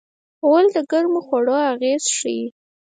غول د ګرمو خوړو اغېز ښيي.